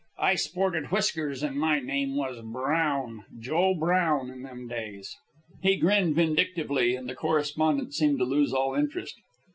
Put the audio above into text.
I sported whiskers and my name was Brown, Joe Brown, in them days." He grinned vindictively, and the correspondent seemed to lose all interest.